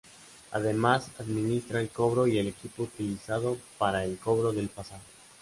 Además administra el cobro y el equipo utilizado para el cobro del pasaje.